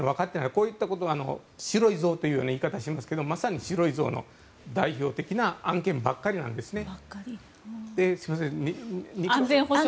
こういうのは白い象という言い方をしますがまさに白い象の代表的な案件ばっかりなんですね。